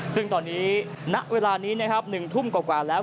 ซึ่งตอนนี้ณเวลานี้นะครับ๑ทุ่มกว่าแล้ว